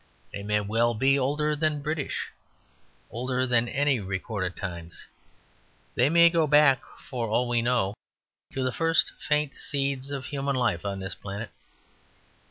They may well be older than British, older than any recorded times. They may go back, for all we know, to the first faint seeds of human life on this planet.